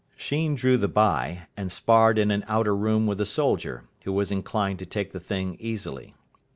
Sheen drew the bye, and sparred in an outer room with a soldier, who was inclined to take the thing easily.